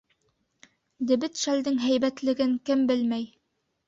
Дебет шәлдең һәйбәтлеген кем белмәй.